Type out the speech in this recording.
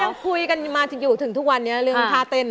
ยังคุยกันมาอยู่ถึงทุกวันนี้เรื่องท่าเต้น